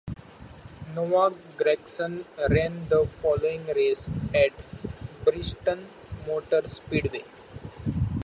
Noah Gragson ran the following race at Bristol Motor Speedway.